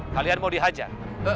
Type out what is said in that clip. kalian mau dihajar